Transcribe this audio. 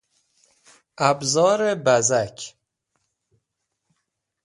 ابزار بزک